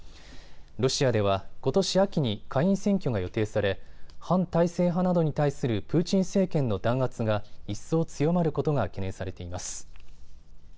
ロシアでは、ことし秋に下院選挙が予定され反体制派などに対するプーチン政権の弾圧が一層強まることが懸念されています。